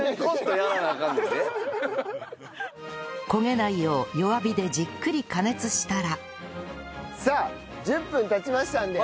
焦げないよう弱火でじっくり加熱したらさあ１０分経ちましたので。